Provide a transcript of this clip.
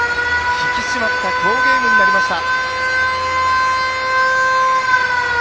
引き締まった好ゲームになりました。